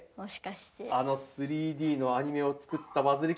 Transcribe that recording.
あの３Ｄのアニメを作ったバ